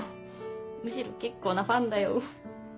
むしろ結構なファンだよ。